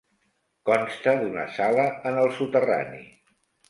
Consta d'una sala en el soterrani.